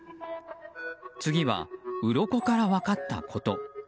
次は、うろこから分かったこと。